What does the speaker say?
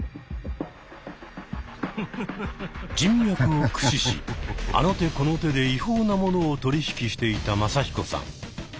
人脈を駆使しあの手この手で違法なものを取り引きしていたマサヒコさん。